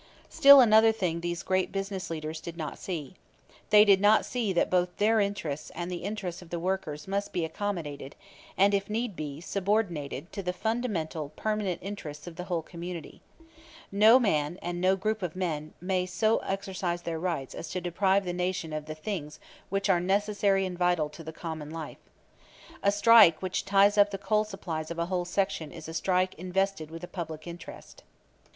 Still another thing these great business leaders did not see. They did not see that both their interests and the interests of the workers must be accommodated, and if need be, subordinated, to the fundamental permanent interests of the whole community. No man and no group of men may so exercise their rights as to deprive the nation of the things which are necessary and vital to the common life. A strike which ties up the coal supplies of a whole section is a strike invested with a public interest.